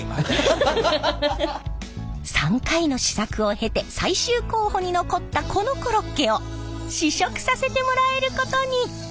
３回の試作を経て最終候補に残ったこのコロッケを試食させてもらえることに。